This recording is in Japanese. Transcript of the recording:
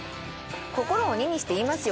心を鬼にして言いますよ